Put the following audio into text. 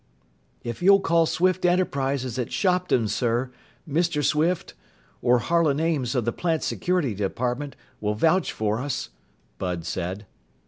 "If you'll call Swift Enterprises at Shopton, sir, Mr. Swift or Harlan Ames of the plant security department will vouch for us," Bud said.